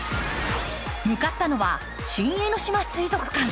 向かったのは新江ノ島水族館。